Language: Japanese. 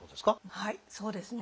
はいそうですね。